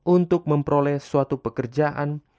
untuk memperoleh suatu pekerjaan